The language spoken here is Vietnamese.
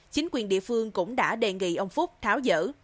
chính quyền địa phương cũng đã đề nghị ông phúc tháo dỡ